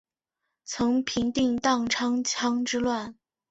曾平定宕昌羌之乱。